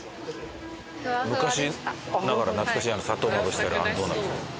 昔ながら懐かしい砂糖をまぶしてあるあんドーナツ。